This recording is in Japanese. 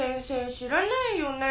知らないよね？」